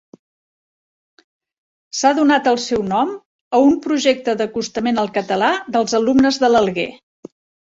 S'ha donat el seu nom a un projecte d'acostament al català dels alumnes de l'Alguer.